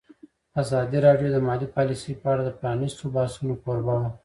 ازادي راډیو د مالي پالیسي په اړه د پرانیستو بحثونو کوربه وه.